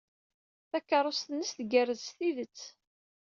Takeṛṛust-nnes tgerrez s tidet.